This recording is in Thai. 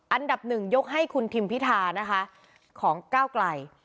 อันดับหนึ่งยกให้คุณทิมพิธานะคะของก้าวไกล